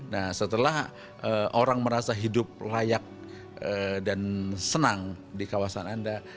nah setelah orang merasa hidup layak dan senang di kawasan anda